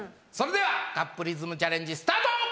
それではカップリズムチャレンジスタート！